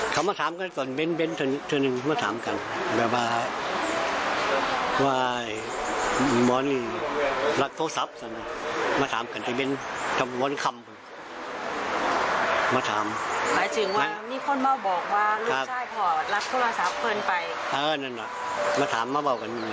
ครับ